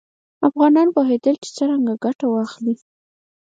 افغانان پوهېدل چې څرنګه ګټه واخلي.